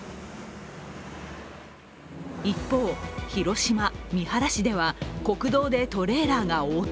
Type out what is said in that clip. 一方、広島・三原市では国道でトレーラーが横転。